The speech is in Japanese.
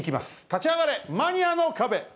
立ち上がれマニアの壁。